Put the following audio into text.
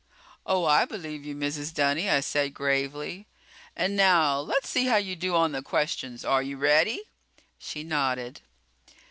"Oh, I believe you, Mrs. Dunny," I said gravely. "And now, let's see how you do on the questions. Are you ready?" She nodded.